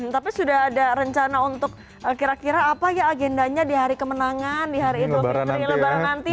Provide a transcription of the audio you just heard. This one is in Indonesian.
tapi sudah ada rencana untuk kira kira apa ya agendanya di hari kemenangan di hari idul fitri lebaran nanti